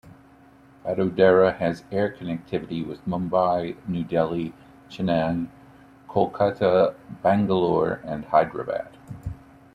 Vadodara has air connectivity with Mumbai, New Delhi, Chennai, Kolkata, Bangalore and Hyderabad.